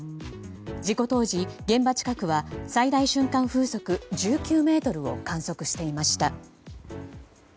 事故当時、現場近くは最大瞬間風速１９メートルを観測していました。